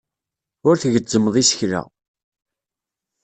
Ur tgezzmeḍ isekla.